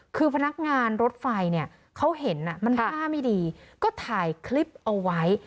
คือพนักงานรถไฟเนี่ยเขาเห็นมันท่าไม่ดีก็ถ่ายคลิปเอาไว้